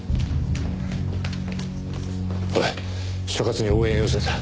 おい所轄に応援要請だ。